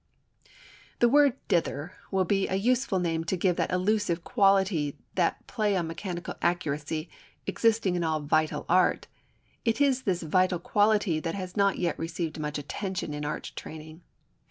The word "dither" will be a useful name to give that elusive quality, that play on mechanical accuracy, existing in all vital art. #It is this vital quality that has not yet received much attention in art training.